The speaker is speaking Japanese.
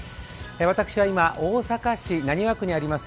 私は今、大阪市浪速区にあります